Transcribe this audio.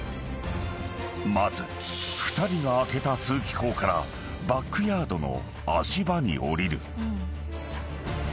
［まず２人が開けた通気口からバックヤードの足場に下りる］